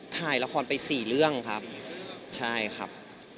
ถ่ายละครไปสี่เรื่องครับใช่ครับ